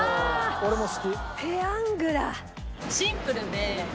俺も好き。